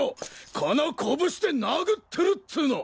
この拳で殴ってるっつの！